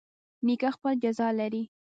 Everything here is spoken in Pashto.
نیکي خپله جزا لري